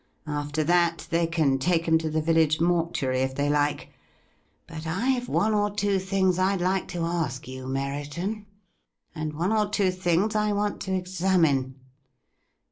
After that they can take 'em to the village mortuary if they like. But I've one or two things I'd like to ask you Merriton, and one or two things I want to examine.